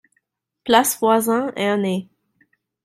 Place Voisin, Ernée